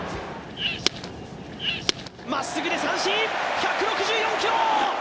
まっすぐで三振、１６４キロ！